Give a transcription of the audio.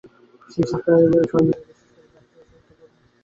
বিশেষ যত্নের সহিত সংশোধিত করিয়া পুনর্মুদ্রিত করিবে, নইলে লোক হাসিবে।